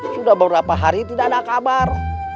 sudah beberapa hari tidak ada kabar